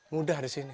mudah di sini